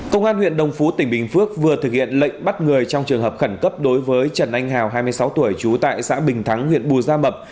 công an huyện đồng phú tỉnh bình phước vừa thực hiện lệnh bắt người trong trường hợp khẩn cấp đối với trần anh hào hai mươi sáu tuổi trú tại xã bình thắng huyện bù gia mập